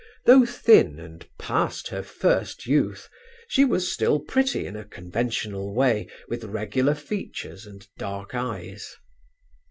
Though thin and past her first youth, she was still pretty in a conventional way, with regular features and dark eyes.